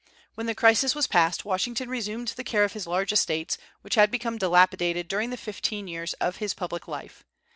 When the crisis was past Washington resumed the care of his large estates, which had become dilapidated during the fifteen years of his public life.